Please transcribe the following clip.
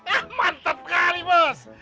ah mantap sekali bos